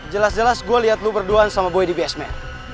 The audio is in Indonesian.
jelas jelas gue lihat lu berduaan sama boy di basement